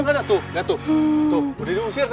keurusan itu maelz